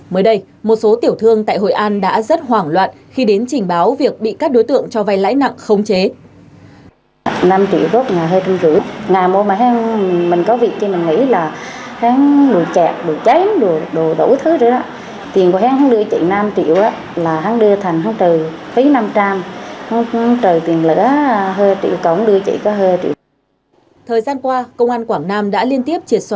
mới đây một số tiểu thương tại hội an đã rất hoảng loạn khi đến trình báo việc bị các đối tượng cho vai lãi nặng không chế